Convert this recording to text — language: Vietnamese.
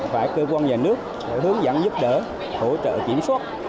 phải cơ quan nhà nước để hướng dẫn giúp đỡ hỗ trợ kiểm soát